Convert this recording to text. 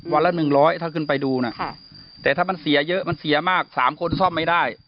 วันละหนึ่งร้อยถ้าขึ้นไปดูนะแต่ถ้ามันเสียเยอะมันเสียมากสามคนซ่อมไม่ได้